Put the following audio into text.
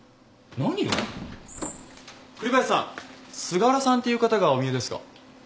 菅原さんっていう方がお見えですが。